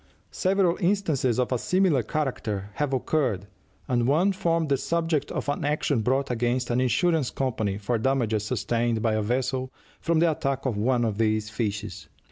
Several instances of a similar character have occurred, and one formed the subject of an action brought against an insurance company for damages sustained by a vessel from the attack of one of these fishes.